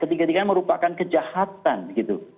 ketiga tiganya merupakan kejahatan gitu